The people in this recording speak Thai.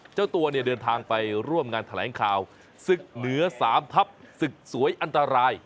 เจ้าตัวเนี่ยเดินทางไปร่วมงานแถลงข่าวศึกเหนือ๓ทับศึกสวยอันตราย